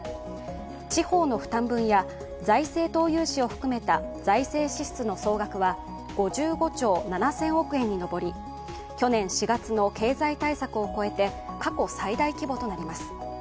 地方の負担分や財政投融資も含めた財政支出の総額は５５兆７０００億円に上り去年４月の経済対策を超えて過去最大規模となります。